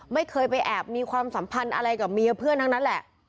ไม่เคยไปแอบมีความสัมพันธ์อะไรกับเมียเพื่อนทั้งนั้นแหละ